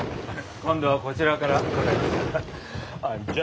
今度はこちらから伺います。